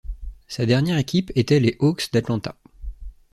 Sa dernière équipe était les Hawks d'Atlanta.